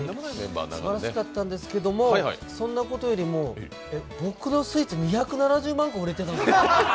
すばらしかったんですけども、そんなことよりも僕のスイーツ２７０万個売れてたんですね。